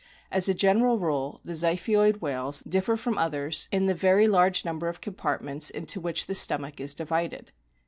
As a general rule the Ziphioid whales differ from others in the very large number of compartments into which the stomach is divided.